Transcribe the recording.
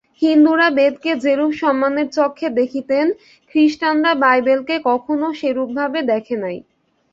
হিন্দুরা বেদকে যেরূপ সম্মানের চক্ষে দেখিতেন, খ্রীষ্টানরা বাইবেলকে কখনও সেরূপ ভাবে দেখে নাই।